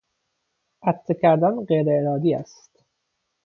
عطسه کردن غیر ارادی است.